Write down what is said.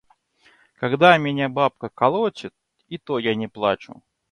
Меня когда бабка колотит, и то я не плачу!